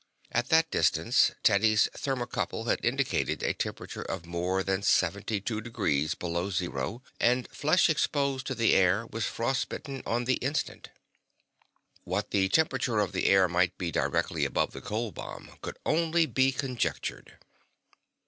At that distance Teddy's thermocouple indicated a temperature of more than seventy two degrees below zero, and flesh exposed to the air was frostbitten on the instant. What the temperature of the air might be directly above the cold bomb could only be conjectured.